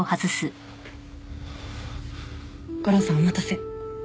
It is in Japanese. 悟郎さんお待たせ。